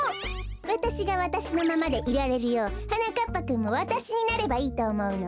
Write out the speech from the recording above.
わたしがわたしのままでいられるようはなかっぱくんもわたしになればいいとおもうの。